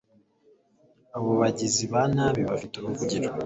abo bagizi ba nabi, bafite uruvugiro